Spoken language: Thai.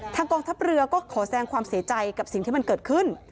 กองทัพเรือก็ขอแสงความเสียใจกับสิ่งที่มันเกิดขึ้น